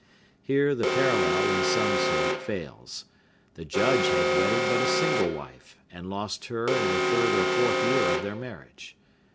Here the parallel, in some sort, fails. The Judge had wedded but a single wife, and lost her in the third or fourth year of their marriage.